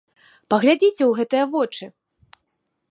Паглядзіце ў гэтыя вочы!